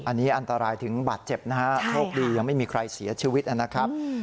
อันนี้อันตรายถึงบาดเจ็บนะฮะโชคดียังไม่มีใครเสียชีวิตนะครับ